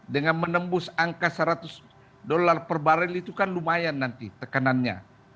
dengan menembus angka seratus dolar per barrel itu kan lumayan nanti tekanannya